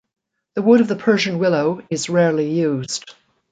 The wood of the Persian willow is rarely used.